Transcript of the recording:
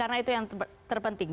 karena itu yang terpenting